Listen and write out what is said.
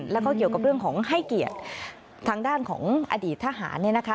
แล้วก็เกี่ยวกับเรื่องของให้เกียรติทางด้านของอดีตทหารเนี่ยนะคะ